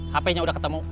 hpnya udah ketemu